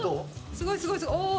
すごいすごいすごいおお！